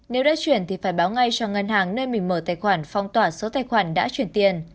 nếu đã chuyển thì phải báo ngay cho ngân hàng nơi mình mở tài khoản phong tỏa số tài khoản đã chuyển tiền